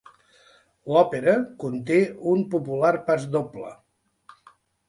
L'òpera conté un popular pasdoble.